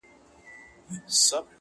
له لیري د جرس ږغونه اورمه زنګېږم.!